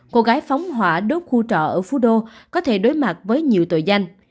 cô gái phóng hỏa đốt khu trọ ở phú đô có thể đối mặt với nhiều tội danh